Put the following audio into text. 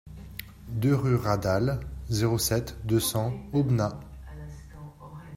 deux rue Radal, zéro sept, deux cents Aubenas